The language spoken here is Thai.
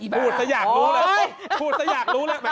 พูดซะอยากรู้เลยพูดซะอยากรู้เลย